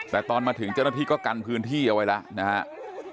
แต่ตอนมาถึงเจ้าหน้าที่ก็กันพื้นที่เอาไว้แล้วนะครับ